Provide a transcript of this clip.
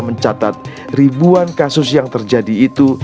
mencatat ribuan kasus yang terjadi itu